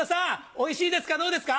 おいしいですかどうですか？